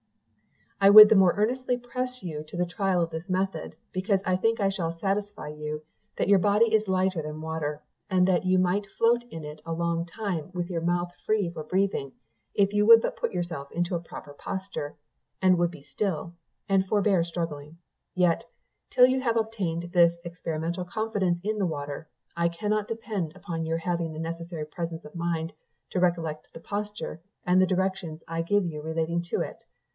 "I would the more earnestly press you to the trial of this method, because I think I shall satisfy you that your body is lighter than water, and that you might float in it a long time with your mouth free for breathing, if you would put yourself into a proper posture, and would be still, and forbear struggling; yet, till you have obtained this experimental confidence in the water, I cannot depend upon your having the necessary presence of mind to recollect the posture, and the directions I gave you relating to it.